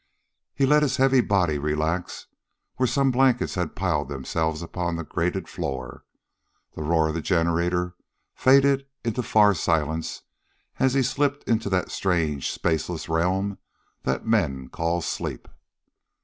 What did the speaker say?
He let his heavy body relax where some blankets had piled themselves upon the grated floor. The roar of the generator faded into far silence as he slipped into that strange spaceless realm that men call sleep.